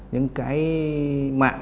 những cái mạng